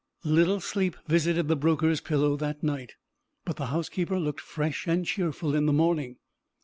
Little sleep visited the broker's pillow that night, but the housekeeper looked fresh and cheerful in the morning.